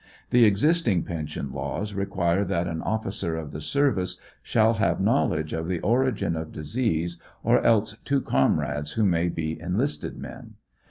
The existing pension laws require that an officer of the service shall have knowledge of the origin of disease, or else two comrades who may be enlisted men.